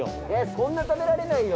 こんな食べられないよ！